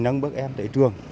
nâng bước em tới trường